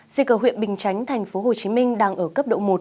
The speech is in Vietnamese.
dịch ở huyện bình chánh tp hcm đang ở cấp độ một